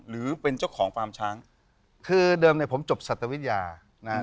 หรือเป็นเจ้าของฟาร์มช้างคือเดิมเนี่ยผมจบสัตวิทยานะ